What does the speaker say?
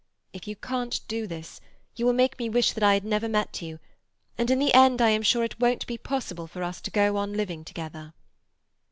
If you can't do this, you will make me wish that I had never met you, and in the end I am sure it won't be possible for us to go on living together."